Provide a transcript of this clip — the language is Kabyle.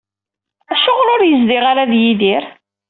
Acuɣer ur yezdiɣ ara d Yidir?